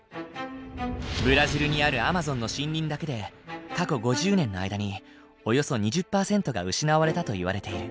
ブラジルにあるアマゾンの森林だけで過去５０年の間におよそ２０％が失われたといわれている。